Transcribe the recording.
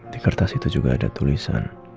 di kertas itu juga ada tulisan